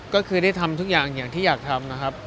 ก็คือได้ทำทุกอย่างอย่างที่อยากทำนะครับ